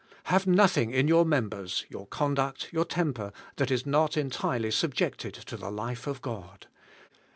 Have nothing in your members, your conduct, your temper, that is not entirely subjected to the life of God.